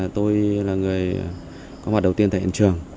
tôi là người có mặt đầu tiên tại hiện trường